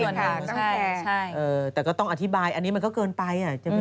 เราต้องอธิบายอันนี้มันก็เกินไป